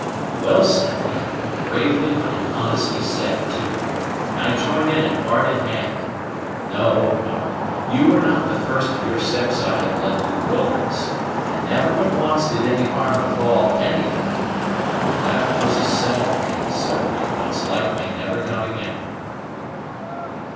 "Well said, lad; bravely and honestly said, too; and I join in it, heart and hand. No, no! you are not the first of your sex I have led through the wilderness, and never but once did any harm befall any of them: that was a sad day, certainly, but its like may never come again."